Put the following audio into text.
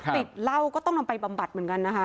ติดเหล้าก็ต้องนำไปบำบัดเหมือนกันนะคะ